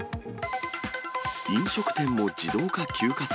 飲食店も自動化急加速。